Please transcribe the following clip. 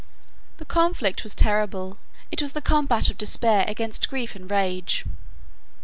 45 The conflict was terrible; it was the combat of despair against grief and rage.